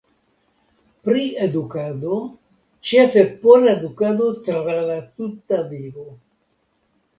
Pri edukado: ĉefe por edukado tra la tuta vivo.